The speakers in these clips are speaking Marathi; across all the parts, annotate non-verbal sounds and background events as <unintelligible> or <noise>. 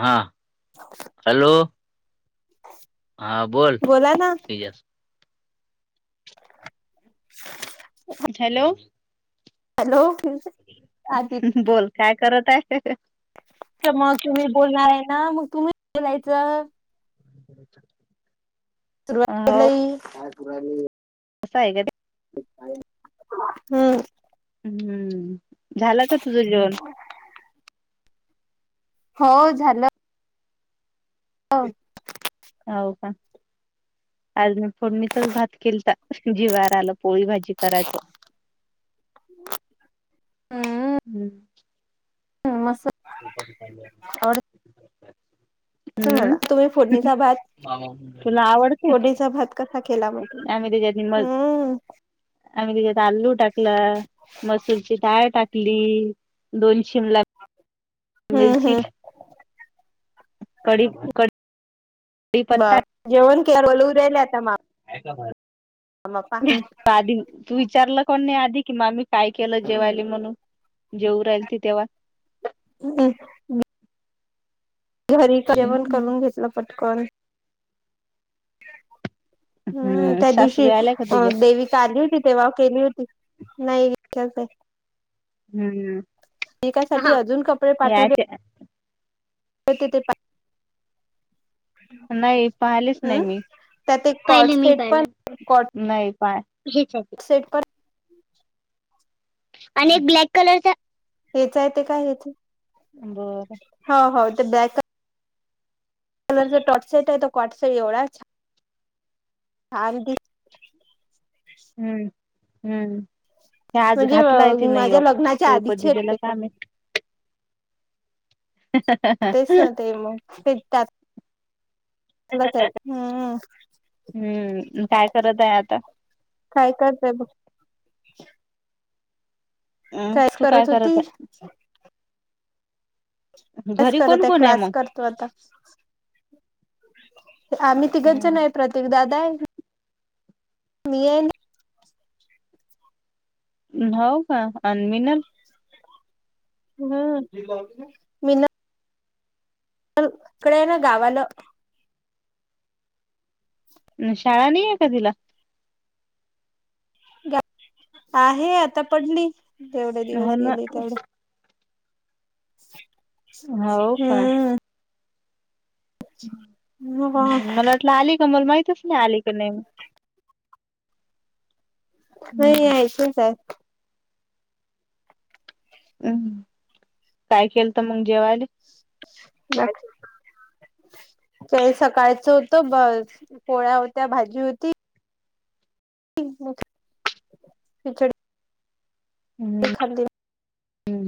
हा, हॅलो <inaudible> हा बोल, बोला ना तेजस <inaudible> हॅलो. हॅलो आदित्य बोल, काय करत आहे? तर मग तुम्ही बोलणार आहे ना मग तुम्ही बोलायच <inaudible> <inaudible> काय करू राहिले. अस आहे का ते. <unintelligible> हम्म हम्म. झाल का तुझ जेवण? <unintelligible> हो झाल. हो <unintelligible> हो का <inaudible> आज मी फोडणीचच भात केलता. जीवार आल पोळी भाजी <unintelligible> करायच. ह ह मसा <unintelligible> हम्म तुम्ही फोडणीचा भात. तुला आवडते फोडणीचा भात कसा खेला मग. आम्ही त्याच्यात म हम्म आम्ही तांदूळ टाकल. मसूरची टाळ टाकली. दोन <inaudible> शिमला हम्म मिरची हम्म <unintelligible> कडी क <unintelligible> <unintelligible> <unintelligible> आधी तू विचारल काऊन नाही आधी कि मा मी काय केल जेवायला म्हणून जेवऊन राहिलती तेव्हा, हम् घरी जेवण करून घेतल पटकन. हम्म त्या दिवशी सासूबाई आल्या का अ तुझ्या देवीत आली होती ती. तेव्हा केली होती. नाही इथेच हे. हम्म एकासाठी अजून कपडे पाठवले. यायच्या हो ते ते पा <unintelligible> नाही पाहिलेच हम्म नाही मी. त्या ते कॉट पाहिले मी सेट पण पाहिले. कॉट नाही पाय <unintelligible> सेट पण आणि एक ब्लॅक कलरचा हेच आहे. ते काय हेच हे. बर. हो -हो ते बॅक कलरच टॉट सट आहे तो कॉट सट. एवढा च <unintelligible> हम्म हम्म. हे आज म्हणजे घातलाय तिन माझ्या लग्नाच्या आधीचे आहेत ते कपडे एक <unintelligible> आहे तेच ना ते मग फिट टात. हम् हम्म. मग काय करत आहे आता? काय करतय बघ अ कायच तू काय करत होती? आहे क्लास घरी करत कोण हे. कोण आहे क्लास मग? करतो आता. आम्ही तिघच जण हेत. प्रतिक दादा हे. मी ये <unintelligible> हो का आण मी ना. हम्म मीना, तर इकडे आहे ना. गावाल <inaudible> शाळा नाही आहे का तिला? आहे. आता पडली येवढे हो दिवस ना गेले. तेवढे <inaudible> हो का, हम्म मला वाटलं आली का. मला माहितच नाही आली का नाही? नाही यायच का. हम्म, काय केलत मग जेवायला? <unintelligible> ते सकाळचं होत बरं. पोळ्या होत्या. भाजी होती. तिकड <unintelligible> हम्,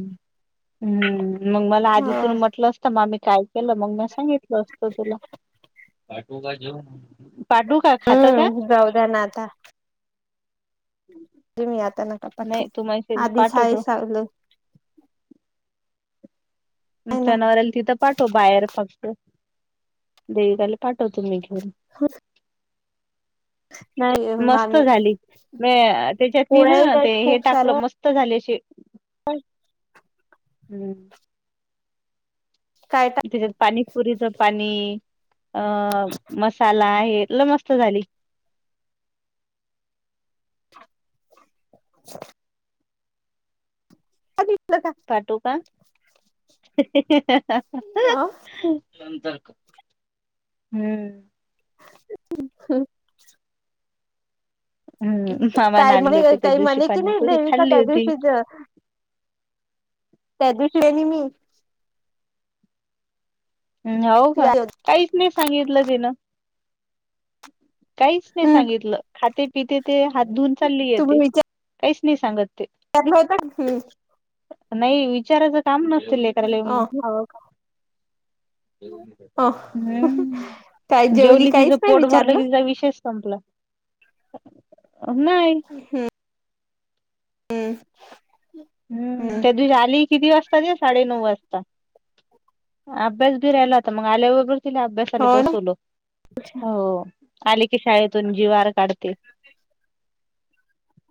हम्म मग मला ह आधी तून म्हटलं, तर म मी काय केलं. मग मी सांगितलं असतं तुला, पाठवू का खातं का? हम्म जाऊ द्या ना आता त मी आता नका नाही पाठवू. तू म्हणशील आधी साय पाठवतो सारल. नाही ना जनावराला तिथं पाठव बाहेर फक्त. देवीका ला पाठवतो मी. हम. नाही मस्त मामी झाली. म त्याच्यात पोळ्याही ना ते आहेत हे खूप टाकलं साऱ्या मस्त मस्त झाले ते. <unintelligible> हम्म. काय त्याच्यात पाणीपुरीच पाणी अ मसाला हे लय मस्त झाली. <inaudible> सलं का <unintelligible> पाठवू का, आं. हम्म. अ् ह, हम्म मामाने काय आणले म्हणे, होते त्या ताई दिवशी म्हणे, की नाही पाणीपुरी देविका खाल्ली त्या होती दिवशीच <unintelligible> हम्, हो ती का. हम्म काहीच नाही सांगितलं तिनं? काहीच नाही सांगितलं. खाते, पिते ते हात धुवून चालली येते. काहीच नाही सांगत ती. ठरलं होत. हम्म. नाही. विचाराचं काम नसेल लेक हो हो. हम्म, काय जेवली तिचं काहीच नाही पोट भरलं. विचारलं तिचा विषय संपला. नाही, हम्म. हम्म. हम्म, कधी झाली? किती वाजता, साडे- नऊ वाजता अभ्यास बी राहिला होता. मग आल्याबरबर तिला अभ्यासाला हो ना बसवलो, हो आले की शाळेतून जीवार काढते.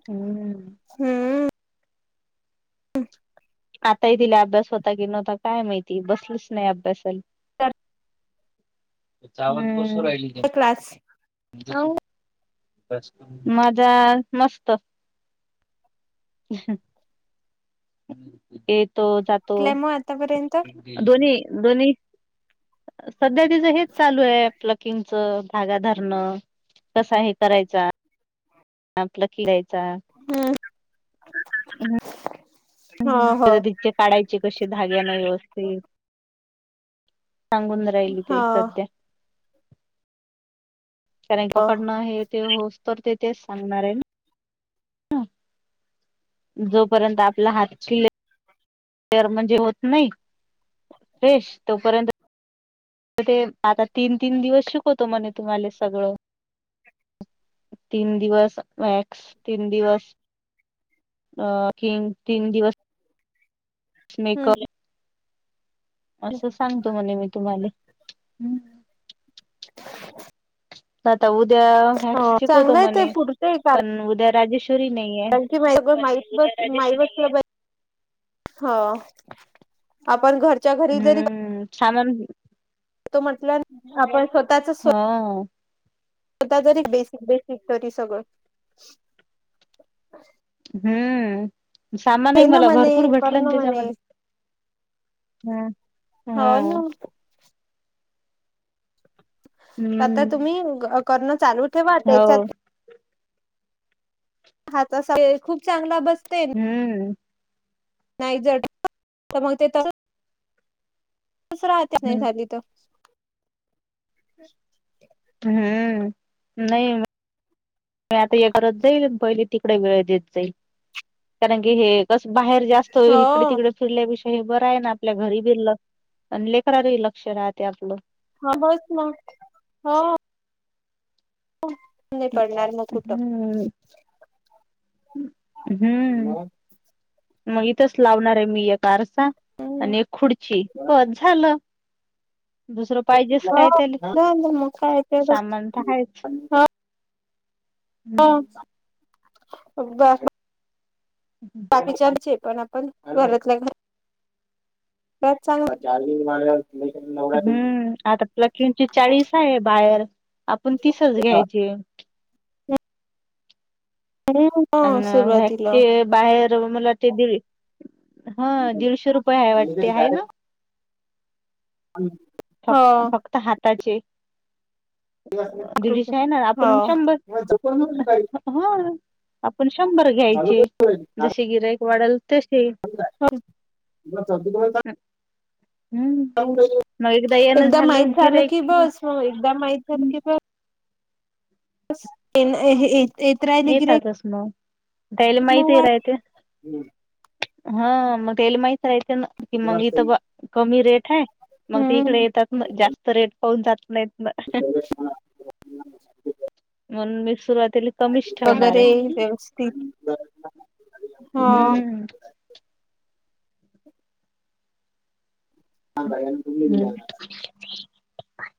हम्म. हम्म. हम आताही तिला अभ्यास होता की नव्हता काय माहिती, बसलीस नाही अभ्यासल चावत बसू राहिली क्लास माझा मस्त येतो जा क्ल मग आतापर्यंत दोन् दोन्ही सध्या तिचं हेच चालू आहे प्लकिंग चं धागा धरणं कसा हे करायचा आपला खिळायचा हो हो <unintelligible> पाडायचे कशे धाग्यांना व्यवस्थित सांगून राहिली ताई हो सध्या कार हो पकडनं हे ते होस तर ते तेच सांगणार आहे जोपर्यंत आपला हातचीलेर म्हणजे होत नाही फ्रेश तोपर्यंत ते आता तीन तीन दिवस शिकवतो म्हणे तुम्हाले सगळं तीन दिवस वॅक्स तीन दिवस अ, तीन, तीन दिवस. हम्म मेकअप. असं सांगतो म्हणे मी तुम्हाले. हम्म <unintelligible> आता उद्या व्यक्स शिकवतो चांगलं आहे ते म्हणे, पुरतंय पण उद्या राजेश्वरी नाहीय. ती बाई बं माई, माई बसतीया बघ. हा आपण घरच्या घरी जरी हम्म सामान तो म्हटलं, आप स्वतःच हा. ता जरी बेसिक -बेसिक तरी सगळं. हम्म, सामानही हे ना मला म्हणे भरपूर भेटलं ना करणं म्हणे त्येच्यामध्ये. हाह. हाव ना. हम्. आता तुम्ही करणं चालू ठेवा हो त्याच्यात. हा तसा हे खूप चांगला बसतेन. हम्म. नाही जर, कमवतेत.. तीच राहते, नाही हम्म झाली तरं. हाह, नाही. म, आता हे करत जाईल, पहिले तिकडे वेळ देत जाईल. कारण की हे तस बाहेर जास्त इिकडे हो -तिकड फिरल्यापिषय हे बरं हाय ना आपल्या घरी बिरलं आणि लेकरातही लक्ष राहते आपलं. हा बस ना हा. नाय पडणार मग कुट. हम्म हम्म म इथच लावणार आय मी एक आर सा -आणि एक खुडची हो बस झालं. दुसरं पाहिजेच काय त्याले मग काय तर सामान त हायच. हा <unintelligible> <inaudible> बाकीचे आमचे पण आपण घरातल घरा त्याचा <inaudible> हम्म आता प्लकिंगची चाळीस हाय बाहेर आपण तीसच घ्यायचे. <unintelligible> अन् सुरुवातीला वॅक्सचे बाहेर मला ते दीड हा हो दीडशे रुपये हाय वाटते हाय ना? <unintelligible> फक् -फक्त हाताचे. कृपे दीडशे हाय ना हो आपण शंभर हा. आपण शंभर घ्यायचे जशे गिरायक वाढल तशे. <unintelligible> हम्म एकदा माहित झालं की बस मग एकदा माहित झालं हम्म की ब स -एन हे हे - येतातच म त्यायले मग माहिती वाढ रायते. हा मग त्याले माहीत राहयते ना की मग इथं कमी रेट हाय. मग ते इकडे हम्म येतात म जास्त रेट पाऊून जात नाय. म्हणून मी सुरवातीला कमीच ठेवणाराय वगैरे व्यवस्थित हा. हम्म. <unintelligible> <inaudible>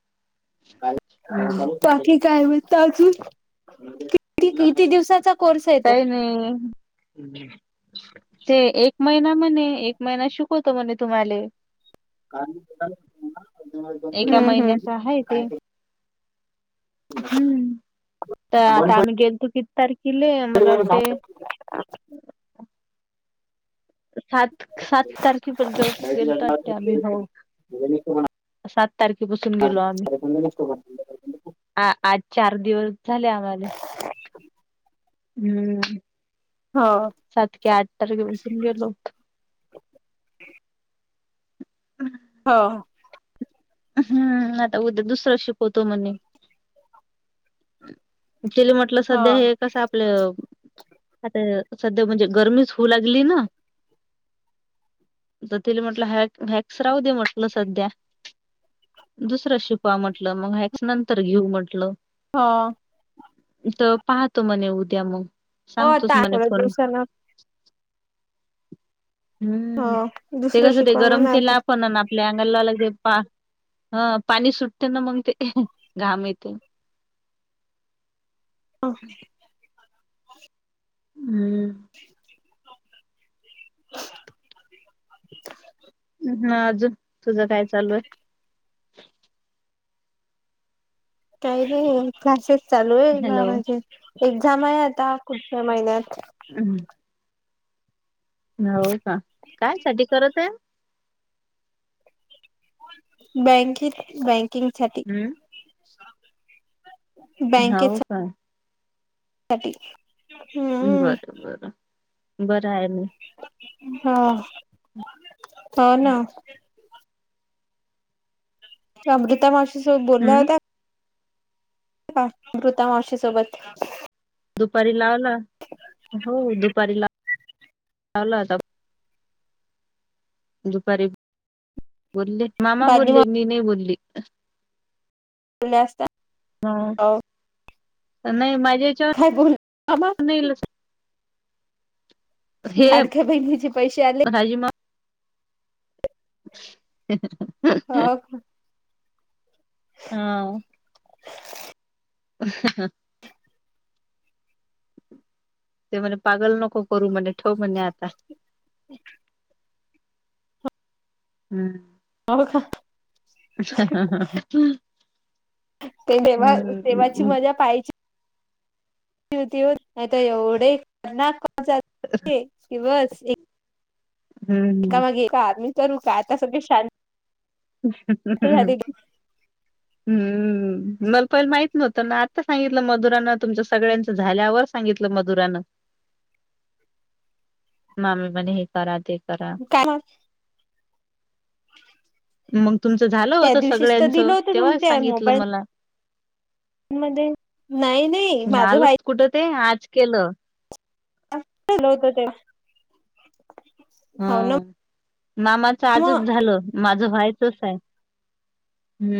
काय हम्म काय बाकी काय म्हणता अजून किती किती दिवसाचा कोर्स आय? काय नाई. ते एक महिना म्हणे एक महिना शिकवतो म्हणे तुम्हाला. हम् एका हम्. महिन्याच आहे ते हम्म तर हो आता हो आम्ही गेलतो किती तारखेला मला वाटते सात सात तारखे पर्यन्त गेलतात ते आम्ही हो. सात तारखेपसून गेलो आम्ही. आ -आज चार दिवस झाले आम्हाले. <inaudible> हम्म. हा. सात की आठ तारखे पासून गेलो होतो. हो. हम्म आता उद्या दुसरं शिकवतो म्हणे. तील म्हटलं हो सध्या हे कसं आपलं आता सध्या म्हणजे गरमीच होऊ लागली ना. तर तिला म्हटलं वॅ वॅक्स राहू दे म्हटल सध्या. दुसर शिकवा म्हटल, मग वॅक्स नंतर घेऊ म्हटल. हा तर पाहतो म्हणे उद्या मग, हो सांगतोच आता म्हणे थोड्या फोन दिवसान ह हम्म. ते दुसरं कस ते शिकवा गरम म्हणा केल आता. आपण आपल्या अंगाला लावल ते पा. पाणी सुटते ना मग ते घाम येते. <unintelligible> हम्म <unintelligible> हा. अजून तुझ काय चालू आहे? काही नाही क्लासेस चालू हॅलो आहे <unintelligible> एक्झाम आहे आता पुढच्या महिन्यात. हम्म हो का. काय स्टडी करत आहे? बँँकेत बँकिंगसाठी. हम् हो का साठी हम्म बर बर बर आहे म हा. हो ना त्या अमृता मावशी सोबत बोलल्या हम् होत्यात. अमृता मावशी मावशी सोबत. दुपारी लावला. हो दुपारी ला लावला होता फोन. दुपारी बोलले. मामा बादली बोलले मावशी मी नाही बोलली. <unintelligible> हो नाही माझ्या याच्यावर काय बोलू मामा नाही हे लाडक्या बहिणीचे पैसे आले. <unintelligible> हो <inaudible> हा. <inaudible> ते म्हने पागल नको करू म्हणे ठेव म्हणे आता. <inaudible> हम्म. हो का? <inaudible> तेव्हा तेव्हाची हम्म मजा पाहिची. <unintelligible> एका मागे एक <unintelligible> आता सगळे शां हम्म मला पहिल माहित नव्हत ना आता सांगितल मधुरान तुमच सगळ्यांच झाल्यावर सांगितल मधुरान. मामी म्हणे हे करा ते करा. काय? मग तुमच झाल त्या होत दिवशीच तर सगळ्यांच. दिलं होतं तेव्हा तुमच्या सांगितलं मोबाईल मला. मध्ये.. नाही नाही माझ व्हय च कुठ ते आज केल. केलं होतं ते. हा हो ना मामाचं मग आजच झालं माझं व्हायचच आहे. हम्म